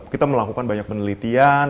kita melakukan banyak penelitian